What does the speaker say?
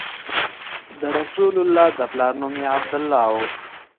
د رسول الله د پلار نوم یې عبدالله و.